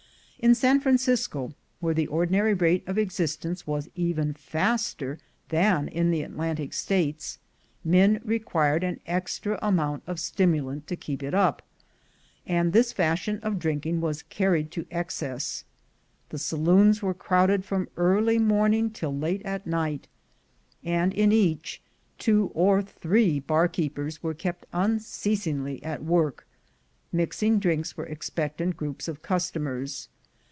In San Francisco, where the ordinary rate of exist ence was even faster than in the Atlantic States, men required an extra amount of stimulant to keep it up, and this fashion of drinking was carried to excess. The saloons were crowded from early morning till late at night; and in each, two or three bar keepers were kept unceasingly at work, mixing drinks for expectant groups of customers.